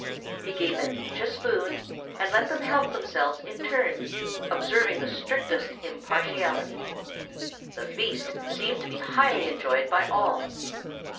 He gave them each a spoon, and let them help themselves in turn, observing the strictest impartiality. The feast seemed to be highly enjoyed by all.